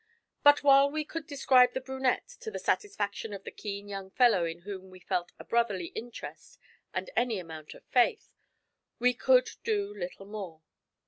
But while we could describe the brunette to the satisfaction of the keen young fellow in whom we felt a brotherly interest and any amount of faith, we could do little more.